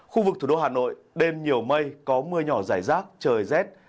khu vực thủ đô hà nội đêm nhiều mây có mưa nhỏ rải rác trời rét